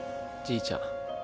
じいちゃん。